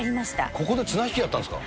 ここで綱引きやったんですか？